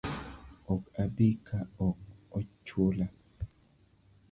Ok abi ka ok ochula